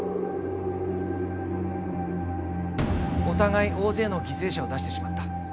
お互い大勢の犠牲者を出してしまった。